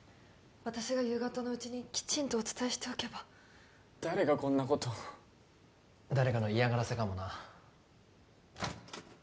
私が夕方のうちにきちんとお伝えしておけば誰がこんなこと誰かの嫌がらせかもな